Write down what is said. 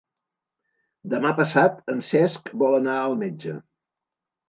Demà passat en Cesc vol anar al metge.